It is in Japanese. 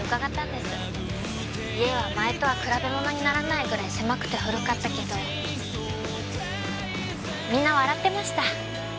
家は前とは比べ物にならないぐらい狭くて古かったけどみんな笑ってました。